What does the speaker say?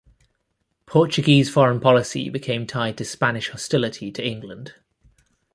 Portuguese foreign policy became tied to Spanish hostility to England.